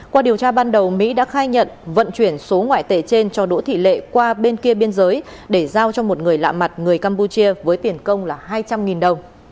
qua điều tra ban đầu mỹ đã khai nhận vận chuyển số ngoại tệ trên cho đỗ thị lệ qua bên kia biên giới để giao cho một người lạ mặt người campuchia với tiền công là hai trăm linh đồng